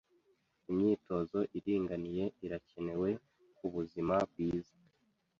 Imyitozo iringaniye irakenewe kubuzima bwiza.